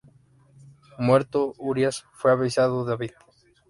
Muerto Urías, fue avisado David.